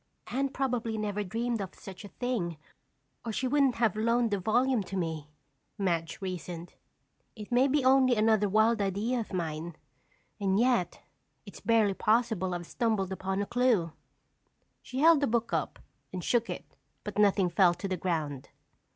"Anne probably never dreamed of such a thing or she wouldn't have loaned the volume to me," Madge reasoned. "It may be only another wild idea of mine and yet it's barely possible I've stumbled upon a clue." She held the book up and shook it but nothing fell to the ground.